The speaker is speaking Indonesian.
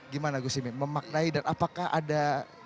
gimana gus imin memaknai dan apakah ada